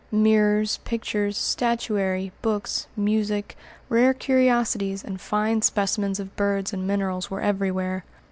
Mirrors, pictures, statuary, books, music, rare curiosities, and fine specimens of birds and minerals were everywhere.